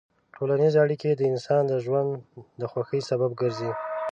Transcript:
ټولنیز اړیکې د انسان د ژوند د خوښۍ سبب ګرځي.